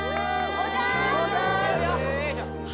・おじゃす！